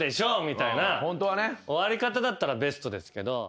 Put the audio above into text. みたいな終わり方だったらベストですけど。